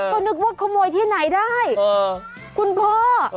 ก็นึกว่าขโมยที่ไหนได้คุณพ่อ